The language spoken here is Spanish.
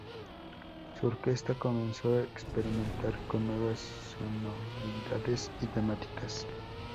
Su orquesta comenzó a experimentar con nuevas sonoridades y temáticas.